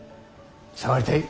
触りたい？